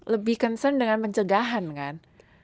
lebih concern dengan pencegahan kan